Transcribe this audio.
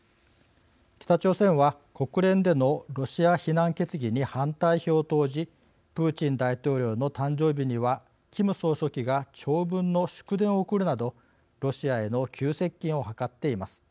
北朝鮮は、国連でのロシア非難決議に反対票を投じプーチン大統領の誕生日にはキム総書記が長文の祝電を送るなどロシアへの急接近を図っています。